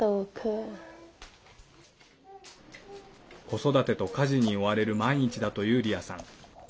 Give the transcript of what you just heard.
子育てと家事に追われる毎日だというリアさん。